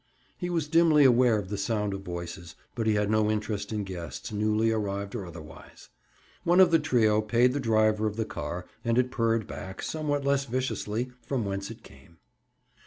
He was dimly aware of the sound of voices but he had no interest in guests, newly arrived or otherwise. One of the trio paid the driver of the car and it purred back, somewhat less viciously, from whence it came.